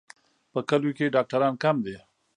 په کلیو کې ډاکټران کم دي.